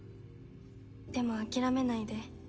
「でも諦めないで」